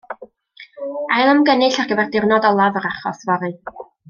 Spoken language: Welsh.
Ailymgynnull ar gyfer diwrnod olaf yr achos yfory.